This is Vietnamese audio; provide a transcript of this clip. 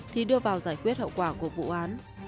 thì đưa vào giải quyết hậu quả của vụ án